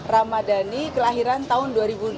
ramadhani kelahiran tahun dua ribu enam